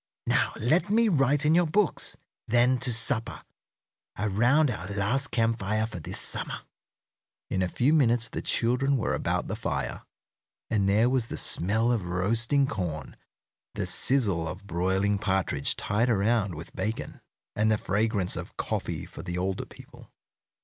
"Now let me write in your books; then to supper, around our last camp fire for this summer." In a few minutes the children were about the fire, and there was the smell of roasting corn, the sizzle of broiling partridge tied around with bacon, and the fragrance of coffee for the older people.